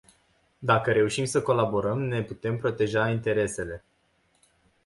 Dacă reușim să colaborăm, ne putem proteja interesele.